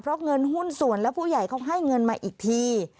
เพราะเงินหุ้นส่วนและผู้ใหญ่เขาให้เงินมาอีกที